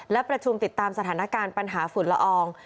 และประชุมติดตามสถานการณ์ปัญหาฝุ่นละออง